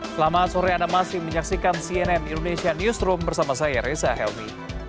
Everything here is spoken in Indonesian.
selamat sore anda masih menyaksikan cnn indonesia newsroom bersama saya reza helmi